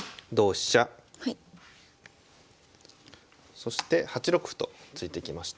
そして８六歩と突いてきました。